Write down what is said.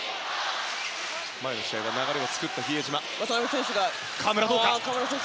前の試合は流れを作った比江島。